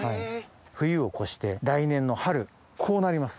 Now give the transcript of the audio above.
冬を越して来年の春こうなります。